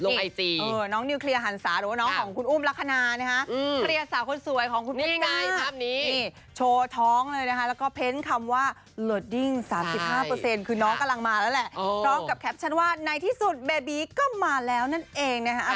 ๓๕คือน้องกำลังมาแล้วแหละพร้อมกับแคปชันว่าในที่สุดเบบีก็มาแล้วนั่นเองนะฮะ